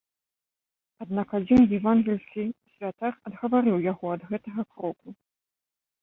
Аднак адзін евангельскі святар адгаварыў яго ад гэтага кроку.